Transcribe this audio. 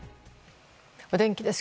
お天気です。